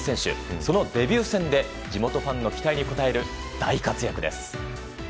そのデビュー戦で地元ファンの期待に応える大活躍です。